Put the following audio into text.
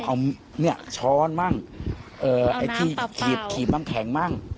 เอาเนี่ยช้อนบ้างเอาน้ำปลาเปล่าเอาไอ้ที่ขีบน้ำแข็งบ้าง